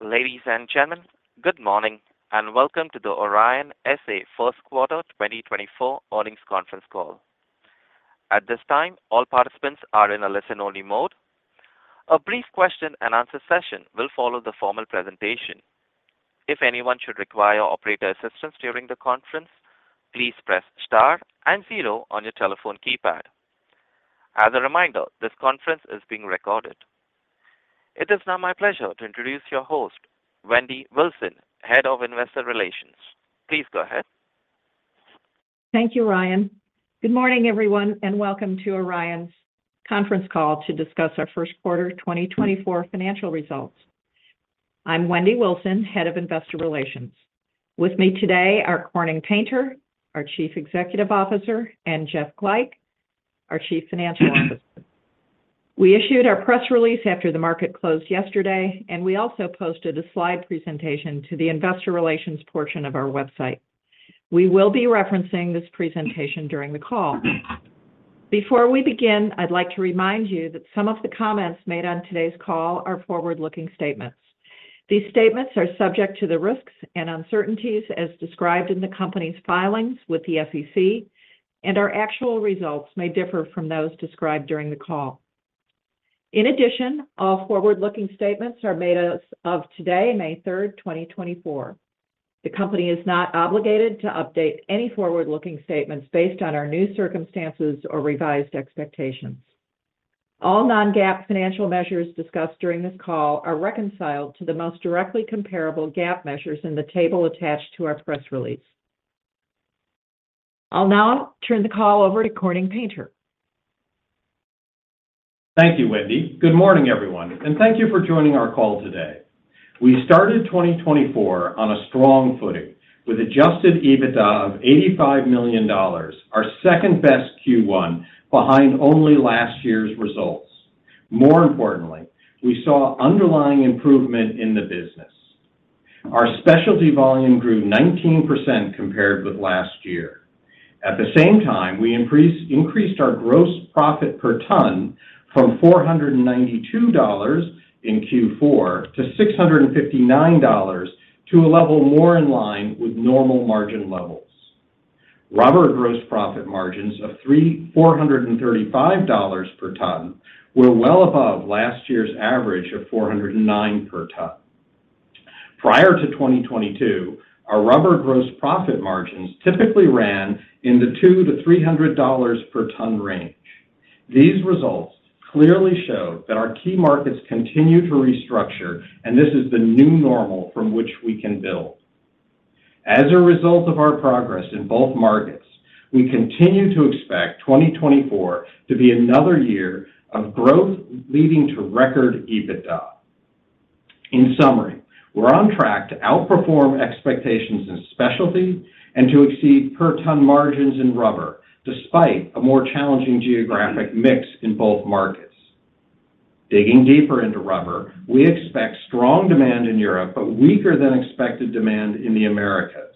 Ladies and gentlemen, good morning and welcome to the Orion S.A. First Quarter 2024 Earnings Conference Call. At this time, all participants are in a listen-only mode. A brief question-and-answer session will follow the formal presentation. If anyone should require operator assistance during the conference, please press * and 0 on your telephone keypad. As a reminder, this conference is being recorded. It is now my pleasure to introduce your host, Wendy Wilson, Head of Investor Relations. Please go ahead. Thank you, Ryan. Good morning, everyone, and welcome to Orion's conference call to discuss our first quarter 2024 financial results. I'm Wendy Wilson, Head of Investor Relations. With me today are Corning Painter, our Chief Executive Officer, and Jeff Glajch, our Chief Financial Officer. We issued our press release after the market closed yesterday, and we also posted a slide presentation to the Investor Relations portion of our website. We will be referencing this presentation during the call. Before we begin, I'd like to remind you that some of the comments made on today's call are forward-looking statements. These statements are subject to the risks and uncertainties as described in the company's filings with the SEC, and our actual results may differ from those described during the call. In addition, all forward-looking statements are made as of today, May 3, 2024. The company is not obligated to update any forward-looking statements based on our new circumstances or revised expectations. All non-GAAP financial measures discussed during this call are reconciled to the most directly comparable GAAP measures in the table attached to our press release. I'll now turn the call over to Corning Painter. Thank you, Wendy. Good morning, everyone, and thank you for joining our call today. We started 2024 on a strong footing with Adjusted EBITDA of $85 million, our second-best Q1 behind only last year's results. More importantly, we saw underlying improvement in the business. Our specialty volume grew 19% compared with last year. At the same time, we increased our gross profit per ton from $492 in Q4 to $659, to a level more in line with normal margin levels. Rubber gross profit margins of $435 per ton were well above last year's average of $409 per ton. Prior to 2022, our rubber gross profit margins typically ran in the $200-$300 per ton range. These results clearly show that our key markets continue to restructure, and this is the new normal from which we can build. As a result of our progress in both markets, we continue to expect 2024 to be another year of growth leading to record EBITDA. In summary, we're on track to outperform expectations in specialty and to exceed per-ton margins in rubber despite a more challenging geographic mix in both markets. Digging deeper into rubber, we expect strong demand in Europe but weaker than expected demand in the Americas.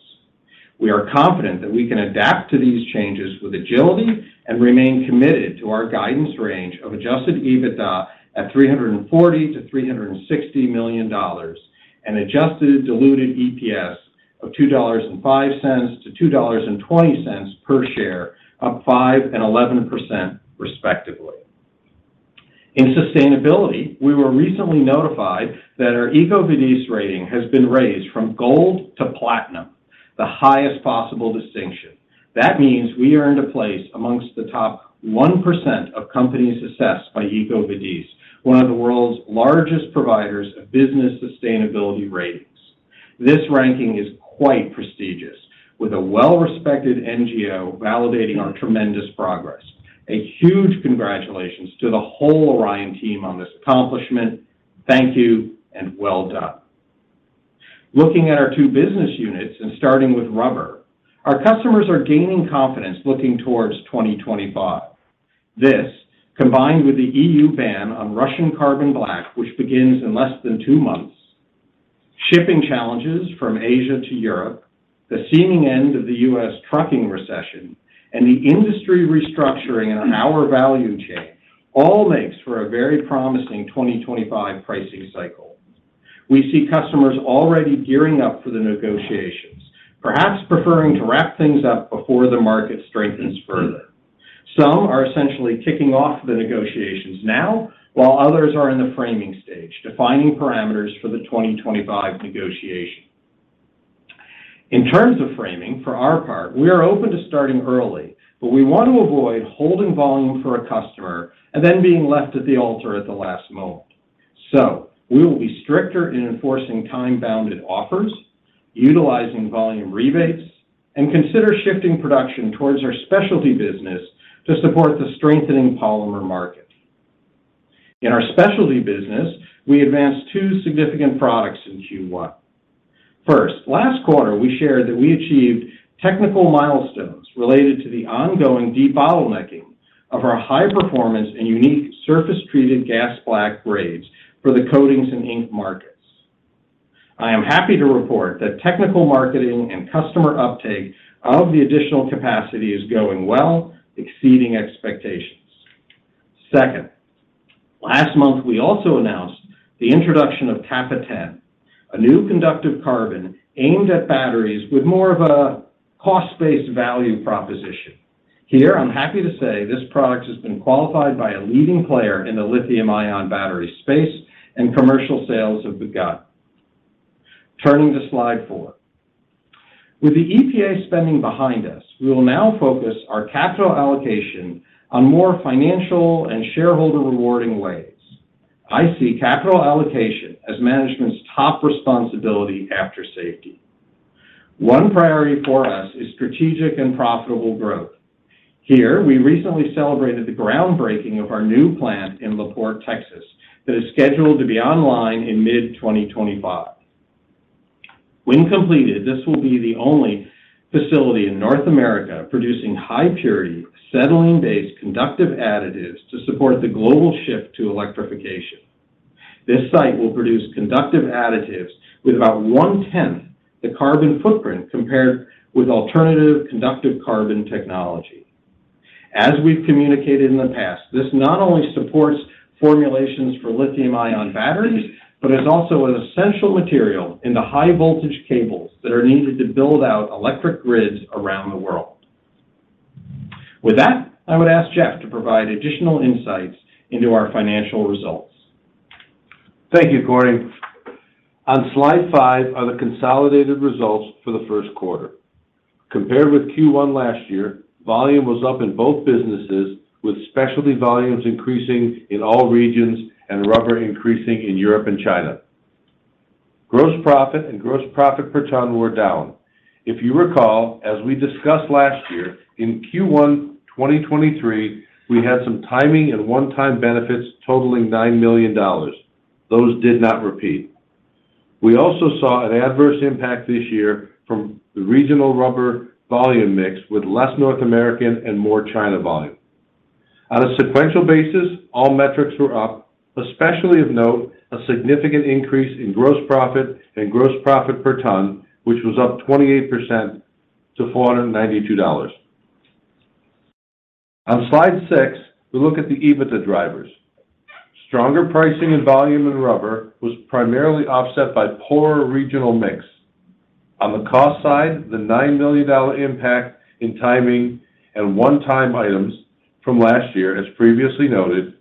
We are confident that we can adapt to these changes with agility and remain committed to our guidance range of Adjusted EBITDA at $340-$360 million and Adjusted diluted EPS of $2.05-$2.20 per share, up 5% and 11%, respectively. In sustainability, we were recently notified that our EcoVadis rating has been raised from Gold to Platinum, the highest possible distinction. That means we earned a place amongst the top 1% of companies assessed by EcoVadis, one of the world's largest providers of business sustainability ratings. This ranking is quite prestigious, with a well-respected NGO validating our tremendous progress. A huge congratulations to the whole Orion team on this accomplishment. Thank you, and well done. Looking at our two business units and starting with rubber, our customers are gaining confidence looking towards 2025. This, combined with the EU ban on Russian carbon black, which begins in less than two months, shipping challenges from Asia to Europe, the seeming end of the U.S. trucking recession, and the industry restructuring in our value chain, all makes for a very promising 2025 pricing cycle. We see customers already gearing up for the negotiations, perhaps preferring to wrap things up before the market strengthens further. Some are essentially kicking off the negotiations now, while others are in the framing stage, defining parameters for the 2025 negotiations. In terms of framing, for our part, we are open to starting early, but we want to avoid holding volume for a customer and then being left at the altar at the last moment. So we will be stricter in enforcing time-bounded offers, utilizing volume rebates, and consider shifting production towards our specialty business to support the strengthening polymer market. In our specialty business, we advanced 2 significant products in Q1. First, last quarter we shared that we achieved technical milestones related to the ongoing de-bottlenecking of our high-performance and unique surface-treated gas black grades for the coatings and ink markets. I am happy to report that technical marketing and customer uptake of the additional capacity is going well, exceeding expectations. Second, last month we also announced the introduction of Kappa 10, a new conductive carbon aimed at batteries with more of a cost-based value proposition. Here, I'm happy to say this product has been qualified by a leading player in the lithium-ion battery space, and commercial sales have begun. Turning to slide 4. With the EPA spending behind us, we will now focus our capital allocation on more financial and shareholder-rewarding ways. I see capital allocation as management's top responsibility after safety. One priority for us is strategic and profitable growth. Here, we recently celebrated the groundbreaking of our new plant in La Porte, Texas, that is scheduled to be online in mid-2025. When completed, this will be the only facility in North America producing high-purity, acetylene-based conductive additives to support the global shift to electrification. This site will produce conductive additives with about one-tenth the carbon footprint compared with alternative conductive carbon technology. As we've communicated in the past, this not only supports formulations for lithium-ion batteries but is also an essential material in the high-voltage cables that are needed to build out electric grids around the world. With that, I would ask Jeff to provide additional insights into our financial results. Thank you, Corning. On slide 5 are the consolidated results for the first quarter. Compared with Q1 last year, volume was up in both businesses, with specialty volumes increasing in all regions and rubber increasing in Europe and China. Gross profit and gross profit per ton were down. If you recall, as we discussed last year, in Q1 2023 we had some timing and one-time benefits totaling $9 million. Those did not repeat. We also saw an adverse impact this year from the regional rubber volume mix with less North American and more China volume. On a sequential basis, all metrics were up, especially of note a significant increase in gross profit and gross profit per ton, which was up 28% to $492. On slide 6, we look at the EBITDA drivers. Stronger pricing and volume in rubber was primarily offset by poorer regional mix. On the cost side, the $9 million impact in timing and one-time items from last year, as previously noted,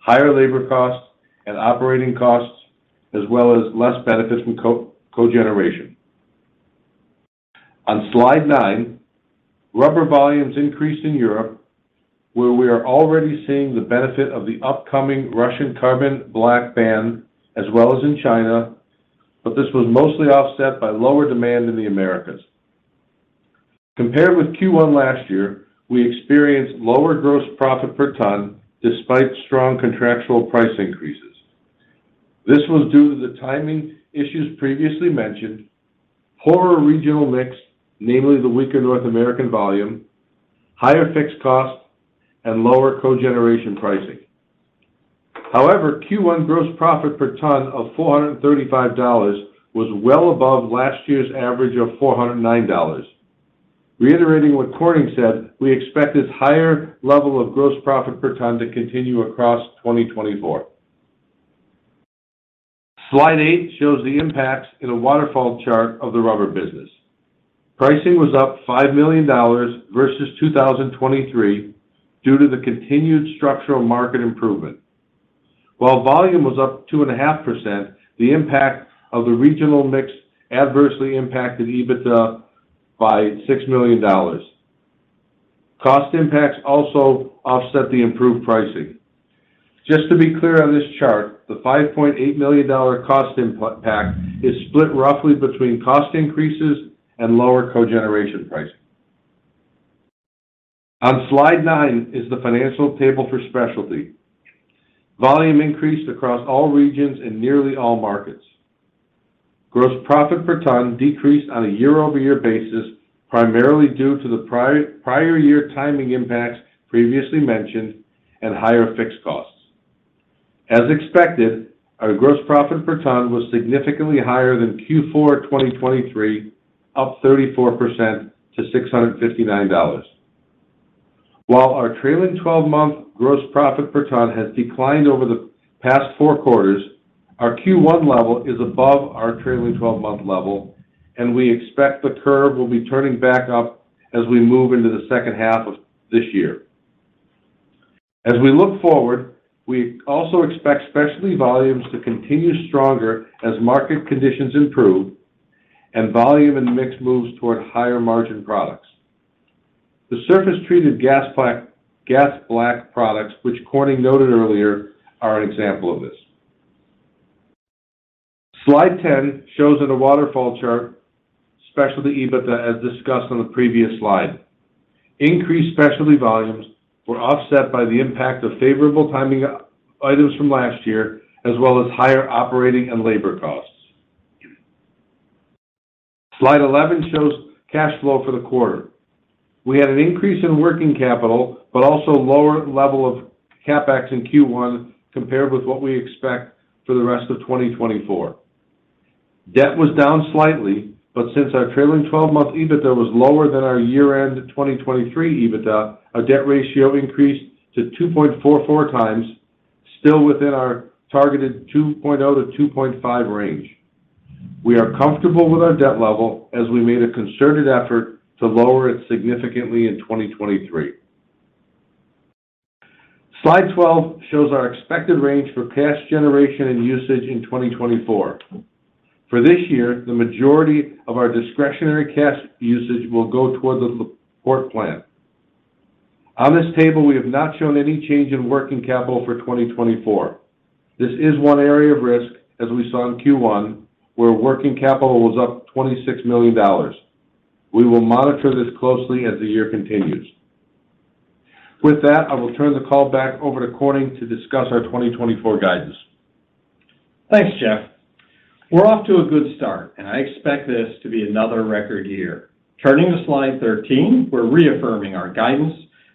higher labor costs and operating costs, as well as less benefits from cogeneration. On slide 9, rubber volumes increased in Europe, where we are already seeing the benefit of the upcoming Russian carbon black ban, as well as in China, but this was mostly offset by lower demand in the Americas. Compared with Q1 last year, we experienced lower gross profit per ton despite strong contractual price increases. This was due to the timing issues previously mentioned, poorer regional mix, namely the weaker North American volume, higher fixed costs, and lower cogeneration pricing. However, Q1 gross profit per ton of $435 was well above last year's average of $409. Reiterating what Corning said, we expect this higher level of gross profit per ton to continue across 2024. Slide 8 shows the impacts in a waterfall chart of the rubber business. Pricing was up $5 million versus 2023 due to the continued structural market improvement. While volume was up 2.5%, the impact of the regional mix adversely impacted EBITDA by $6 million. Cost impacts also offset the improved pricing. Just to be clear on this chart, the $5.8 million cost impact is split roughly between cost increases and lower cogeneration pricing. On slide 9 is the financial table for specialty. Volume increased across all regions in nearly all markets. Gross profit per ton decreased on a year-over-year basis, primarily due to the prior-year timing impacts previously mentioned and higher fixed costs. As expected, our gross profit per ton was significantly higher than Q4 2023, up 34% to $659. While our trailing 12-month gross profit per ton has declined over the past four quarters, our Q1 level is above our trailing 12-month level, and we expect the curve will be turning back up as we move into the second half of this year. As we look forward, we also expect specialty volumes to continue stronger as market conditions improve and volume and mix moves toward higher-margin products. The surface-treated gas black products, which Corning noted earlier, are an example of this. Slide 10 shows in a waterfall chart Specialty EBITDA, as discussed on the previous slide. Increased specialty volumes were offset by the impact of favorable timing items from last year, as well as higher operating and labor costs. Slide 11 shows cash flow for the quarter. We had an increase in working capital but also lower level of Capex in Q1 compared with what we expect for the rest of 2024. Debt was down slightly, but since our trailing 12-month EBITDA was lower than our year-end 2023 EBITDA, our debt ratio increased to 2.44 times, still within our targeted 2.0-2.5 range. We are comfortable with our debt level as we made a concerted effort to lower it significantly in 2023. Slide 12 shows our expected range for cash generation and usage in 2024. For this year, the majority of our discretionary cash usage will go toward the La Porte plant. On this table, we have not shown any change in working capital for 2024. This is one area of risk, as we saw in Q1, where working capital was up $26 million. We will monitor this closely as the year continues. With that, I will turn the call back over to Corning to discuss our 2024 guidance. Thanks, Jeff. We're off to a good start, and I expect this to be another record year. Turning to slide 13, we're reaffirming our guidance.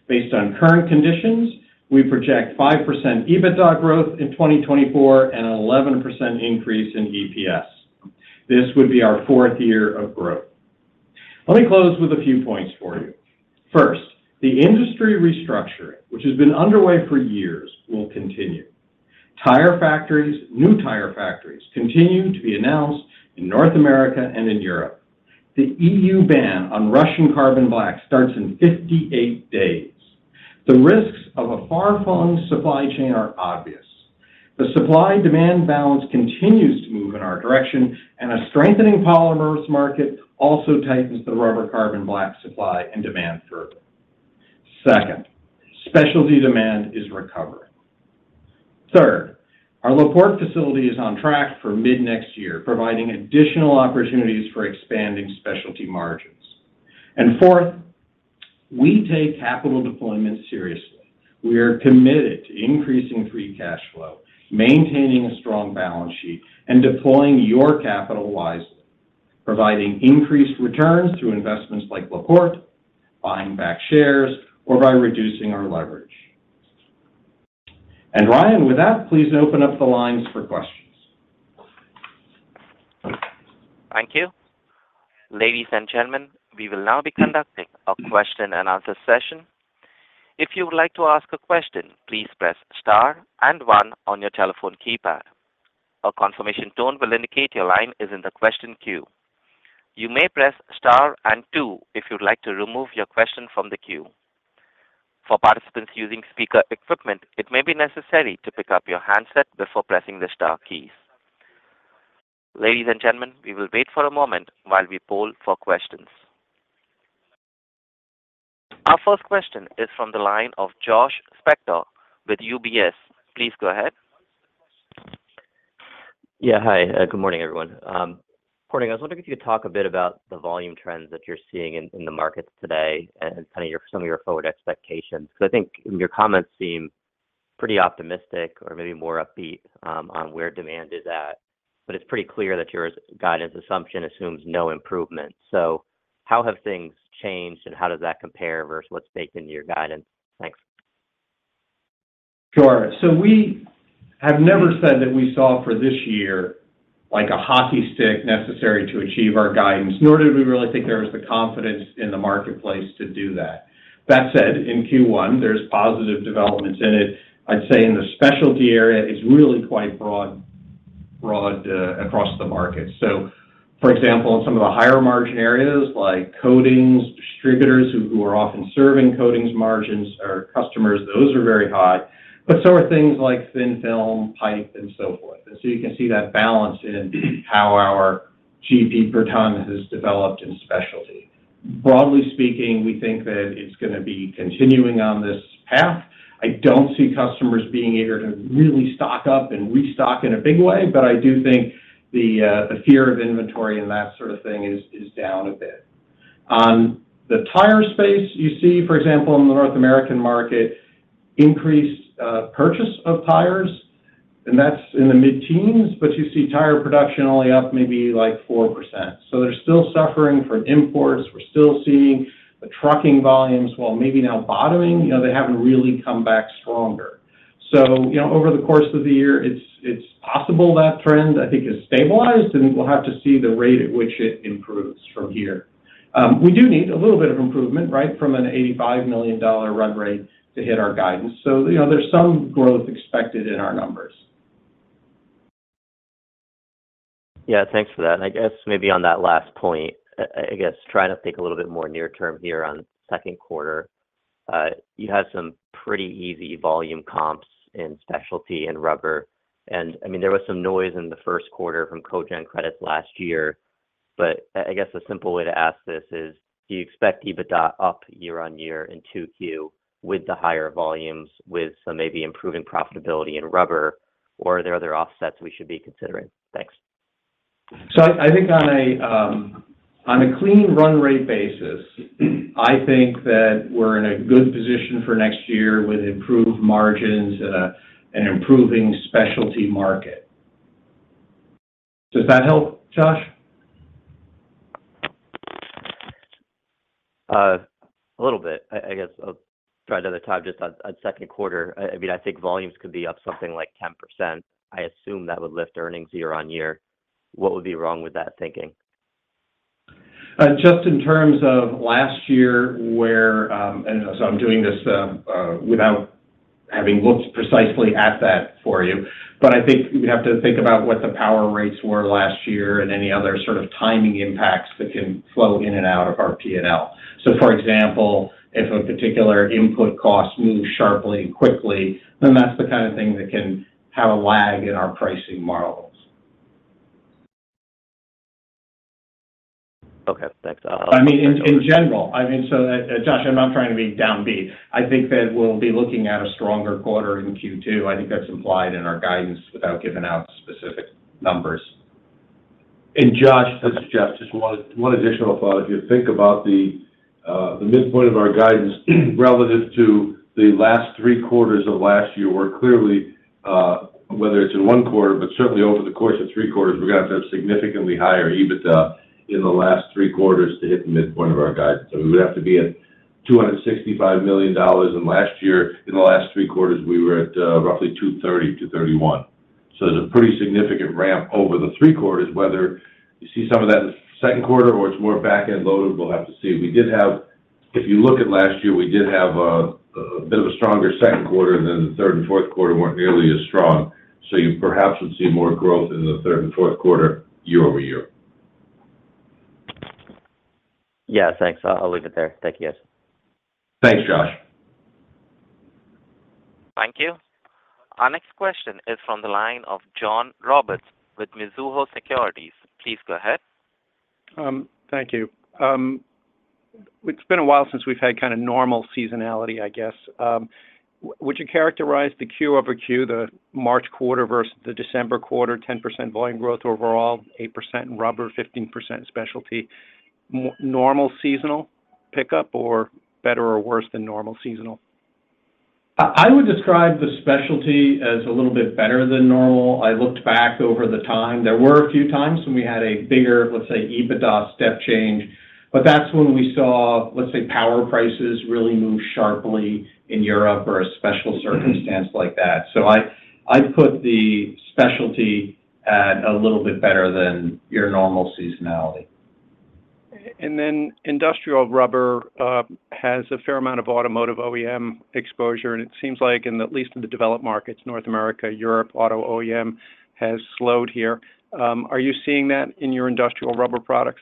Based on current conditions, we project 5% EBITDA growth in 2024 and an 11% increase in EPS. This would be our fourth year of growth. Let me close with a few points for you. First, the industry restructuring, which has been underway for years, will continue. Tire factories, new tire factories, continue to be announced in North America and in Europe. The EU ban on Russian carbon black starts in 58 days. The risks of a far-flung supply chain are obvious. The supply-demand balance continues to move in our direction, and a strengthening polymers market also tightens the rubber carbon black supply and demand further. Second, specialty demand is recovering. Third, our La Porte facility is on track for mid-next year, providing additional opportunities for expanding specialty margins. And fourth, we take capital deployment seriously. We are committed to increasing free cash flow, maintaining a strong balance sheet, and deploying your capital wisely, providing increased returns through investments like La Porte, buying back shares, or by reducing our leverage. And Ryan, with that, please open up the lines for questions. Thank you. Ladies and gentlemen, we will now be conducting a question-and-answer session. If you would like to ask a question, please press star and one on your telephone keypad. A confirmation tone will indicate your line is in the question queue. You may press star and two if you'd like to remove your question from the queue. For participants using speaker equipment, it may be necessary to pick up your handset before pressing the star keys. Ladies and gentlemen, we will wait for a moment while we poll for questions. Our first question is from the line of Josh Spector with UBS. Please go ahead. Yeah, hi. Good morning, everyone. Corning, I was wondering if you could talk a bit about the volume trends that you're seeing in the markets today and some of your forward expectations, because I think your comments seem pretty optimistic or maybe more upbeat on where demand is at. But it's pretty clear that your guidance assumption assumes no improvement. So how have things changed, and how does that compare versus what's baked into your guidance? Thanks. Sure. So we have never said that we saw for this year a hockey stick necessary to achieve our guidance, nor did we really think there was the confidence in the marketplace to do that. That said, in Q1, there's positive developments in it. I'd say in the specialty area, it's really quite broad across the market. So for example, in some of the higher-margin areas like coatings, distributors who are often serving coatings margins are customers. Those are very high. But so are things like thin film, pipe, and so forth. And so you can see that balance in how our GP per ton has developed in specialty. Broadly speaking, we think that it's going to be continuing on this path. I don't see customers being eager to really stock up and restock in a big way, but I do think the fear of inventory and that sort of thing is down a bit. On the tire space, you see, for example, in the North American market, increased purchase of tires, and that's in the mid-teens, but you see tire production only up maybe like 4%. So they're still suffering from imports. We're still seeing the trucking volumes, while maybe now bottoming, they haven't really come back stronger. So over the course of the year, it's possible that trend, I think, has stabilized, and we'll have to see the rate at which it improves from here. We do need a little bit of improvement, right, from an $85 million run rate to hit our guidance. So there's some growth expected in our numbers. Yeah, thanks for that. And I guess maybe on that last point, I guess trying to think a little bit more near-term here on second quarter, you had some pretty easy volume comps in Specialty and Rubber. And I mean, there was some noise in the first quarter from cogen credits last year. But I guess a simple way to ask this is, do you expect EBITDA up year-on-year in Q2 with the higher volumes, with some maybe improving profitability in Rubber, or are there other offsets we should be considering? Thanks. I think on a clean run-rate basis, I think that we're in a good position for next year with improved margins and an improving specialty market. Does that help, Josh? A little bit, I guess. I'll try another time. Just on second quarter, I mean, I think volumes could be up something like 10%. I assume that would lift earnings year-on-year. What would be wrong with that thinking? Just in terms of last year, where and so I'm doing this without having looked precisely at that for you. But I think we'd have to think about what the power rates were last year and any other sort of timing impacts that can flow in and out of our P&L. So for example, if a particular input cost moves sharply and quickly, then that's the kind of thing that can have a lag in our pricing models. Okay, thanks. I mean, in general. I mean, so Josh, I'm not trying to be downbeat. I think that we'll be looking at a stronger quarter in Q2. I think that's implied in our guidance without giving out specific numbers. And Josh, this is Jeff, just one additional thought. If you think about the midpoint of our guidance relative to the last three quarters of last year, where clearly, whether it's in one quarter, but certainly over the course of three quarters, we're going to have to have significantly higher EBITDA in the last three quarters to hit the midpoint of our guidance. So we would have to be at $265 million. And last year, in the last three quarters, we were at roughly $230 million, $231 million. So there's a pretty significant ramp over the three quarters. Whether you see some of that in the second quarter or it's more back-end loaded, we'll have to see. If you look at last year, we did have a bit of a stronger second quarter than the third and fourth quarter weren't nearly as strong. You perhaps would see more growth in the third and fourth quarter year-over-year. Yeah, thanks. I'll leave it there. Thank you, guys. Thanks, Josh. Thank you. Our next question is from the line of John Roberts with Mizuho Securities. Please go ahead. Thank you. It's been a while since we've had kind of normal seasonality, I guess. Would you characterize the Q over Q, the March quarter versus the December quarter, 10% volume growth overall, 8% in rubber, 15% in specialty, normal seasonal pickup or better or worse than normal seasonal? I would describe the specialty as a little bit better than normal. I looked back over the time. There were a few times when we had a bigger, let's say, EBITDA step change, but that's when we saw, let's say, power prices really move sharply in Europe or a special circumstance like that. So I'd put the specialty at a little bit better than your normal seasonality. And then industrial rubber has a fair amount of automotive OEM exposure, and it seems like, at least in the developed markets, North America, Europe, auto OEM has slowed here. Are you seeing that in your industrial rubber products?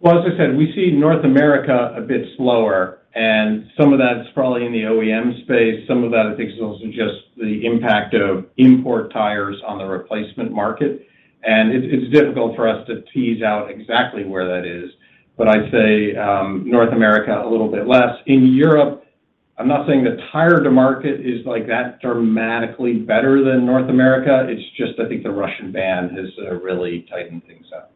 Well, as I said, we see North America a bit slower, and some of that's probably in the OEM space. Some of that, I think, is also just the impact of import tires on the replacement market. It's difficult for us to tease out exactly where that is, but I'd say North America a little bit less. In Europe, I'm not saying the tire market is that dramatically better than North America. It's just, I think, the Russian ban has really tightened things up.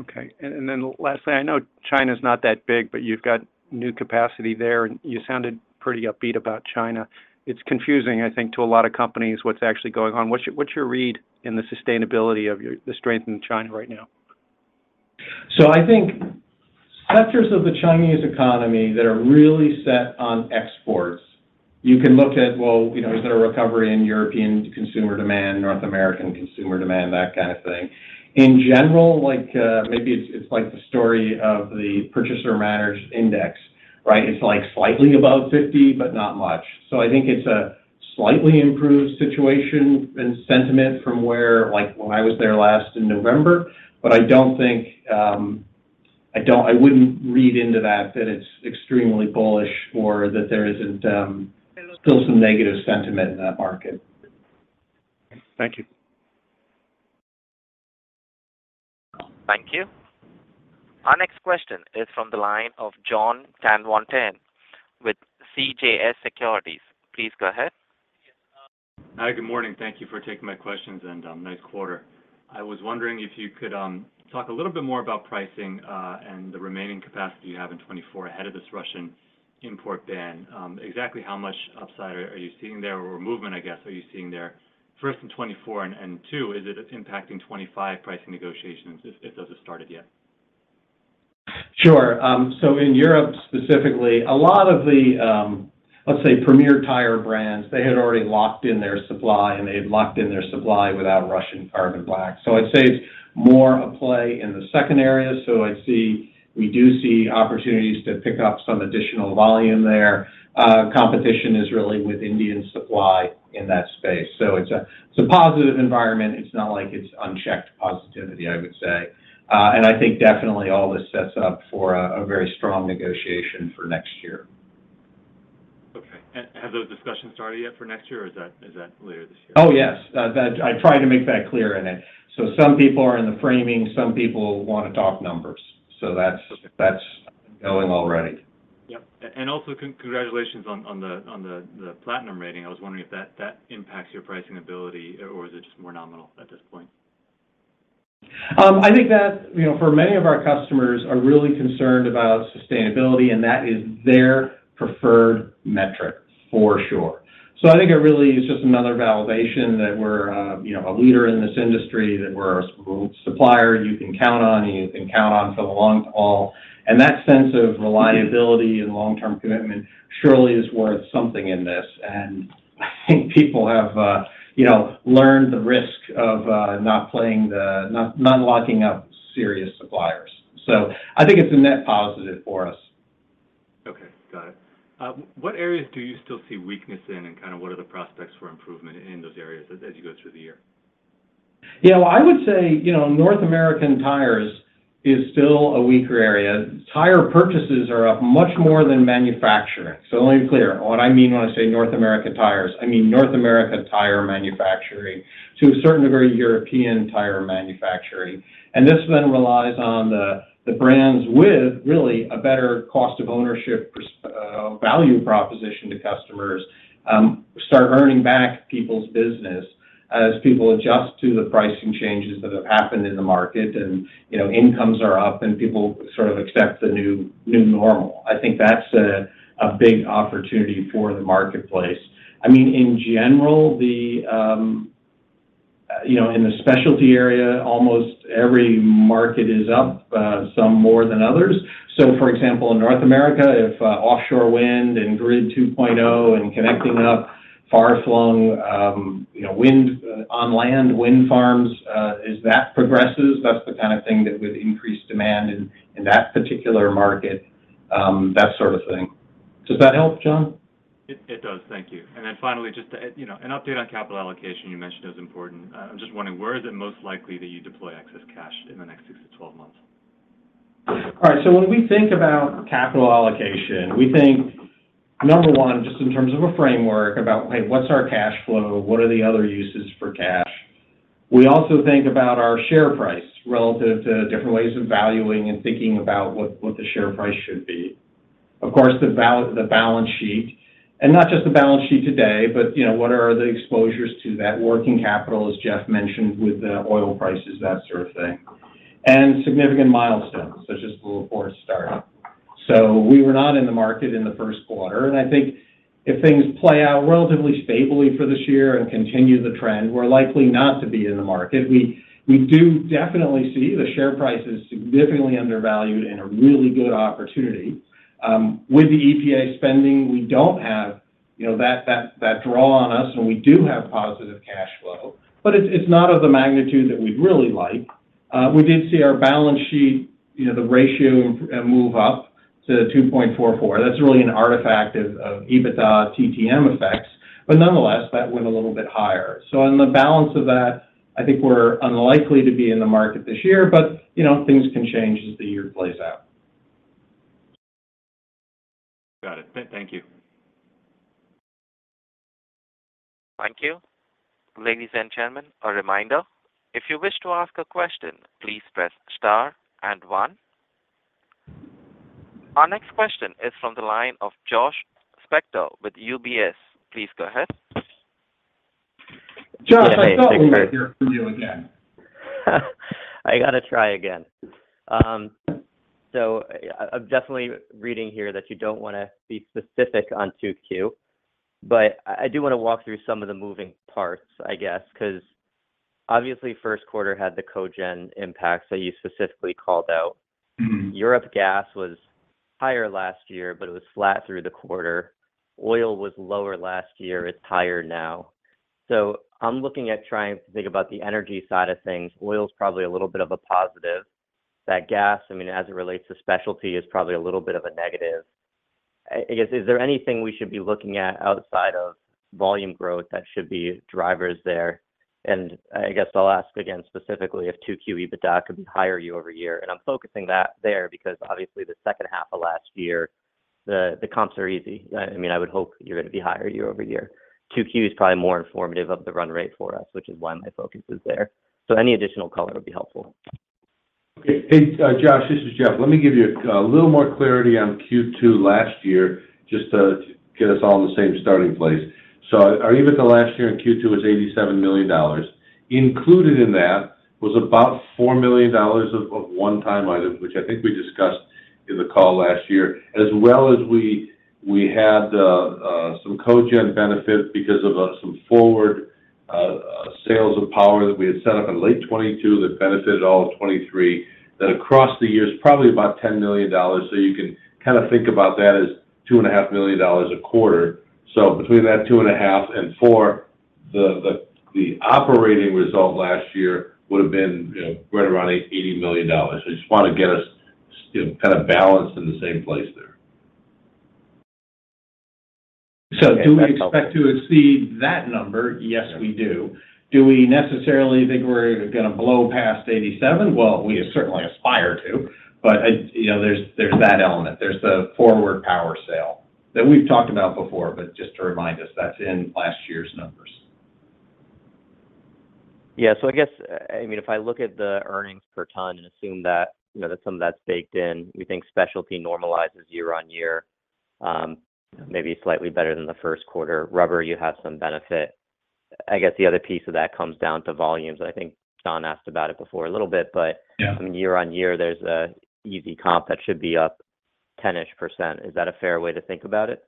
Okay. And then lastly, I know China's not that big, but you've got new capacity there, and you sounded pretty upbeat about China. It's confusing, I think, to a lot of companies what's actually going on. What's your read in the sustainability of the strength in China right now? So I think sectors of the Chinese economy that are really set on exports, you can look at, well, is there a recovery in European consumer demand, North American consumer demand, that kind of thing. In general, maybe it's like the story of the Purchasing Managers' Index, right? It's slightly above 50 but not much. So I think it's a slightly improved situation and sentiment from when I was there last in November, but I wouldn't read into that that it's extremely bullish or that there isn't still some negative sentiment in that market. Thank you. Thank you. Our next question is from the line of Jon Tanwanteng with CJS Securities. Please go ahead. Hi, good morning. Thank you for taking my questions and nice quarter. I was wondering if you could talk a little bit more about pricing and the remaining capacity you have in 2024 ahead of this Russian import ban. Exactly how much upside are you seeing there or movement, I guess, are you seeing there first in 2024? And two, is it impacting 2025 pricing negotiations if those have started yet? Sure. So in Europe specifically, a lot of the, let's say, premier tire brands, they had already locked in their supply, and they had locked in their supply without Russian carbon black. So I'd say it's more a play in the second area. So we do see opportunities to pick up some additional volume there. Competition is really with Indian supply in that space. So it's a positive environment. It's not like it's unchecked positivity, I would say. And I think definitely all this sets up for a very strong negotiation for next year. Okay. And have those discussions started yet for next year, or is that later this year? Oh, yes. I tried to make that clear in it. Some people are in the framing. Some people want to talk numbers. That's up and going already. Yep. And also, congratulations on the platinum rating. I was wondering if that impacts your pricing ability, or is it just more nominal at this point? I think that for many of our customers are really concerned about sustainability, and that is their preferred metric for sure. So I think it really is just another validation that we're a leader in this industry, that we're a supplier you can count on, and you can count on for the long haul. And that sense of reliability and long-term commitment surely is worth something in this. And I think people have learned the risk of not locking up serious suppliers. So I think it's a net positive for us. Okay, got it. What areas do you still see weakness in, and kind of what are the prospects for improvement in those areas as you go through the year? Yeah, well, I would say North American tires is still a weaker area. Tire purchases are up much more than manufacturing. So let me be clear. What I mean when I say North American tires, I mean North America tire manufacturing, to a certain degree, European tire manufacturing. And this then relies on the brands with, really, a better cost of ownership value proposition to customers start earning back people's business as people adjust to the pricing changes that have happened in the market, and incomes are up, and people sort of accept the new normal. I think that's a big opportunity for the marketplace. I mean, in general, in the specialty area, almost every market is up some more than others. So for example, in North America, if offshore wind and Grid 2.0 and connecting up far-flung onland wind farms, as that progresses, that's the kind of thing that would increase demand in that particular market, that sort of thing. Does that help, John? It does. Thank you. And then finally, just an update on capital allocation. You mentioned it was important. I'm just wondering, where is it most likely that you deploy excess cash in the next 6-12 months? All right. So when we think about capital allocation, we think, number one, just in terms of a framework about, hey, what's our cash flow? What are the other uses for cash? We also think about our share price relative to different ways of valuing and thinking about what the share price should be. Of course, the balance sheet. And not just the balance sheet today, but what are the exposures to that? Working capital, as Jeff mentioned, with the oil prices, that sort of thing. And significant milestones, such as the La Porte startup. So we were not in the market in the first quarter. And I think if things play out relatively stably for this year and continue the trend, we're likely not to be in the market. We do definitely see the share prices significantly undervalued in a really good opportunity. With the EPA spending, we don't have that draw on us, and we do have positive cash flow, but it's not of the magnitude that we'd really like. We did see our balance sheet, the ratio, move up to 2.44. That's really an artifact of EBITDA TTM effects. But nonetheless, that went a little bit higher. So on the balance of that, I think we're unlikely to be in the market this year, but things can change as the year plays out. Got it. Thank you. Thank you, ladies and gentlemen. A reminder, if you wish to ask a question, please press star and one. Our next question is from the line of Josh Spector with UBS. Please go ahead. Josh, I don't want to hear from you again. I got to try again. So I'm definitely reading here that you don't want to be specific on 2Q, but I do want to walk through some of the moving parts, I guess, because obviously, first quarter had the cogen impacts that you specifically called out. Europe gas was higher last year, but it was flat through the quarter. Oil was lower last year. It's higher now. So I'm looking at trying to think about the energy side of things. Oil's probably a little bit of a positive. That gas, I mean, as it relates to specialty, is probably a little bit of a negative. I guess, is there anything we should be looking at outside of volume growth that should be drivers there? And I guess I'll ask again specifically if 2Q EBITDA could be higher year-over-year. I'm focusing that there because obviously, the second half of last year, the comps are easy. I mean, I would hope you're going to be higher year-over-year. 2Q is probably more informative of the run rate for us, which is why my focus is there. Any additional color would be helpful. Okay. Hey, Josh, this is Jeff. Let me give you a little more clarity on Q2 last year just to get us all in the same starting place. So our EBITDA last year in Q2 was $87 million. Included in that was about $4 million of one-time items, which I think we discussed in the call last year, as well as we had some cogen benefit because of some forward sales of power that we had set up in late 2022 that benefited all of 2023 that across the year is probably about $10 million. So you can kind of think about that as $2.5 million a quarter. So between that $2.5 and $4, the operating result last year would have been right around $80 million. So I just want to get us kind of balanced in the same place there. So do we expect to exceed that number? Yes, we do. Do we necessarily think we're going to blow past 87? Well, we certainly aspire to, but there's that element. There's the forward power sale that we've talked about before, but just to remind us, that's in last year's numbers. Yeah. So I guess, I mean, if I look at the earnings per ton and assume that some of that's baked in, we think specialty normalizes year-on-year, maybe slightly better than the first quarter. Rubber, you have some benefit. I guess the other piece of that comes down to volumes. I think John asked about it before a little bit, but I mean, year-on-year, there's an easy comp that should be up 10-ish %. Is that a fair way to think about it?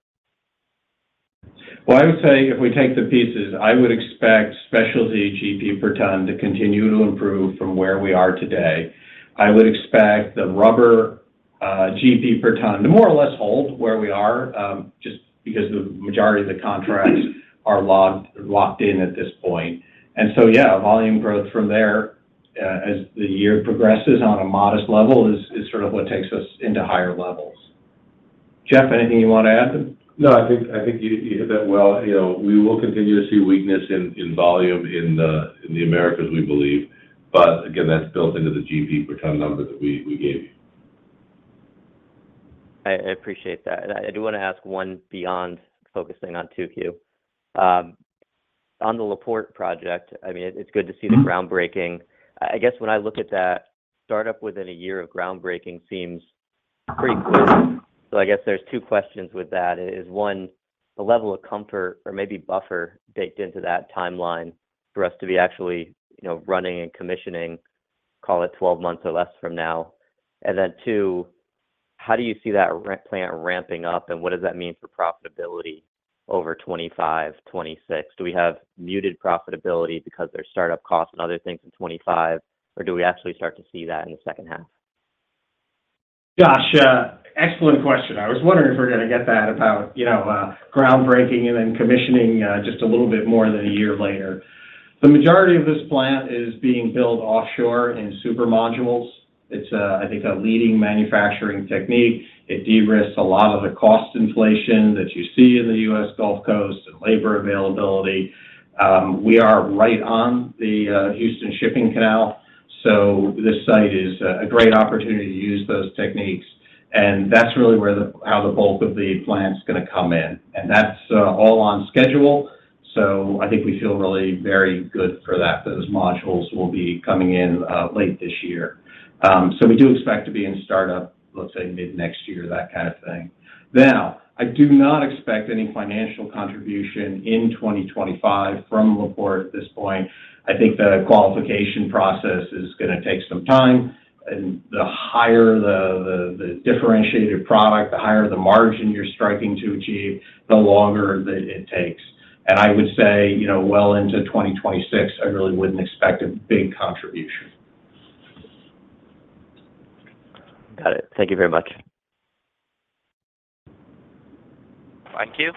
Well, I would say if we take the pieces, I would expect Specialty GP per ton to continue to improve from where we are today. I would expect the Rubber GP per ton to more or less hold where we are just because the majority of the contracts are locked in at this point. And so yeah, volume growth from there as the year progresses on a modest level is sort of what takes us into higher levels. Jeff, anything you want to add? No, I think you hit that well. We will continue to see weakness in volume in the Americas, we believe. But again, that's built into the GP per ton number that we gave you. I appreciate that. I do want to ask one beyond focusing on 2Q. On the La Porte project, I mean, it's good to see the groundbreaking. I guess when I look at that, startup within a year of groundbreaking seems pretty quick. So I guess there's two questions with that. Is one, the level of comfort or maybe buffer baked into that timeline for us to be actually running and commissioning, call it 12 months or less from now? And then two, how do you see that plant ramping up, and what does that mean for profitability over 2025, 2026? Do we have muted profitability because there's startup costs and other things in 2025, or do we actually start to see that in the second half? Gosh, excellent question. I was wondering if we're going to get that about groundbreaking and then commissioning just a little bit more than a year later. The majority of this plant is being built offshore in super modules. It's, I think, a leading manufacturing technique. It de-risks a lot of the cost inflation that you see in the U.S. Gulf Coast and labor availability. We are right on the Houston Ship Channel, so this site is a great opportunity to use those techniques. And that's really how the bulk of the plant's going to come in. And that's all on schedule. So I think we feel really very good for that. Those modules will be coming in late this year. So we do expect to be in startup, let's say, mid-next year, that kind of thing. Now, I do not expect any financial contribution in 2025 from La Porte at this point. I think the qualification process is going to take some time. The higher the differentiated product, the higher the margin you're striving to achieve, the longer that it takes. I would say well into 2026, I really wouldn't expect a big contribution. Got it. Thank you very much. Thank you,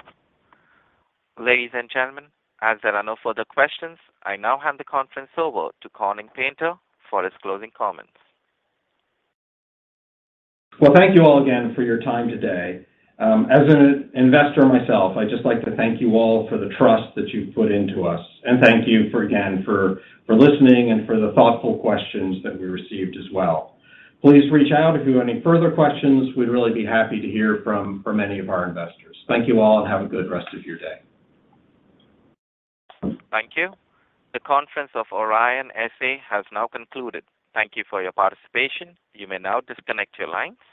ladies and gentlemen. As there are no further questions, I now hand the conference over to Corning Painter for his closing comments. Well, thank you all again for your time today. As an investor myself, I'd just like to thank you all for the trust that you've put into us. Thank you again for listening and for the thoughtful questions that we received as well. Please reach out if you have any further questions. We'd really be happy to hear from many of our investors. Thank you all, and have a good rest of your day. Thank you. The conference of Orion S.A. has now concluded. Thank you for your participation. You may now disconnect your lines.